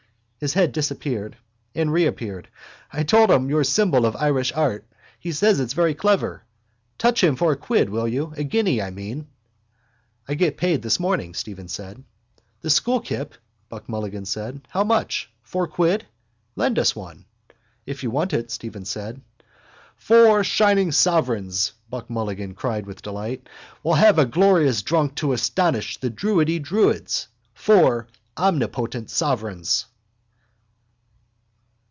His head disappeared and reappeared. —I told him your symbol of Irish art. He says it's very clever. Touch him for a quid, will you? A guinea, I mean. —I get paid this morning, Stephen said. —The school kip? Buck Mulligan said. How much? Four quid? Lend us one. —If you want it, Stephen said. —Four shining sovereigns, Buck Mulligan cried with delight. We'll have a glorious drunk to astonish the druidy druids. Four omnipotent sovereigns.